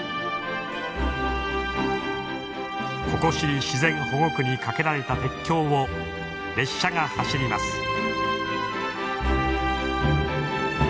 ココシリ自然保護区に架けられた鉄橋を列車が走ります。